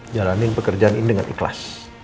jalanin pekerjaan ini dengan ikhlas